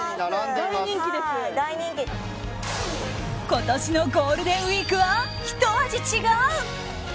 今年のゴールデンウィークはひと味違う。